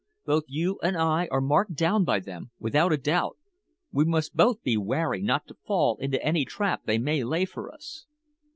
Both you and I are marked down by them, without a doubt. We must both be wary not to fall into any trap they may lay for us."